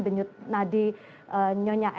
benyut nadi nyonyakkan